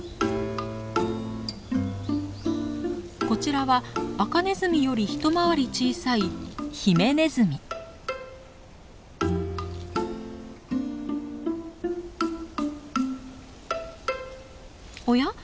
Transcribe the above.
こちらはアカネズミより一回り小さいおや？